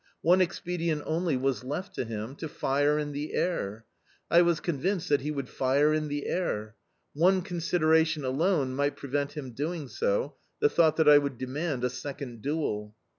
One expedient only was left to him to fire in the air! I was convinced that he would fire in the air! One consideration alone might prevent him doing so the thought that I would demand a second duel.